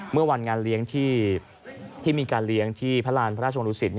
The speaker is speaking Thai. เมื่อวันงานเลี้ยงที่มีการเลี้ยงที่พระราณพระราชวังดุสิต